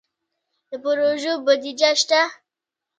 د پروژو بودیجه شته؟